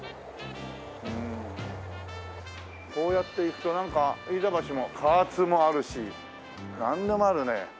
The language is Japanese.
こうやって行くとなんか飯田橋も加圧もあるしなんでもあるね。